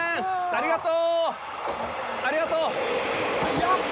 ありがと！